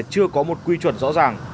chưa có một quy chuẩn rõ ràng